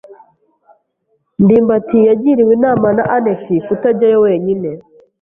ndimbati yagiriwe inama na anet kutajyayo wenyine.